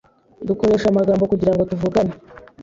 Dukoresha amagambo kugirango tuvugane.